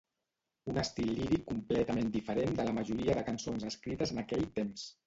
Un estil líric completament diferent de la majoria de cançons escrites en aquell temps.